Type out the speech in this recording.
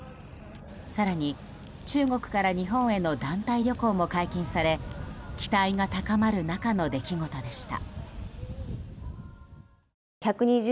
更に中国から日本への団体旅行も解禁され期待が高まる中の出来事でした。